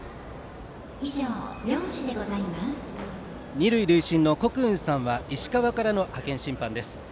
二塁塁審の国雲さんは石川からの派遣審判です。